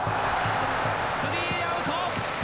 スリーアウト！